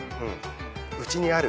うちにある。